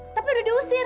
tapi udah diusir